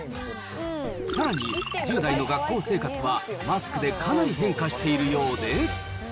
さらに、１０代の学校生活は、マスクでかなり変化しているようで。